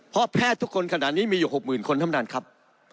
เพราะแพทย์ทุกคนขนาดนี้มีอยู่๖๐๐๐คนท่านประธานครับ